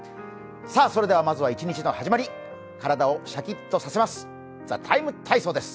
それではまずは一日の始まり、体をシャキッとさせます。